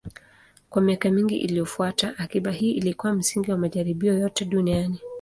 Kwa miaka mingi iliyofuata, akiba hii ilikuwa msingi wa majaribio yote duniani.